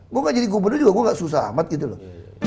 gua enggak jadi gubernur juga gua enggak susah amat gitu loh